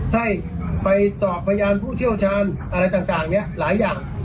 ให้ไปสอบพยานผู้เชี่ยวชาญอะไรต่างเนี่ยหลายอย่าง